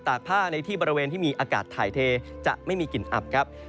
กผ้าในที่บริเวณที่มีอากาศถ่ายเทจะไม่มีกลิ่นอับครับ